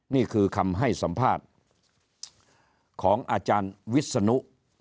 นี่คือคำให้สัมภาษณ์ของอาจารย์วิศนุ